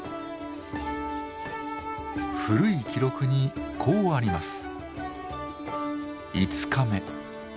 古い記録にこうあります。